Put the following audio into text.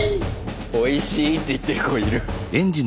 おいしいって言ってる子いる。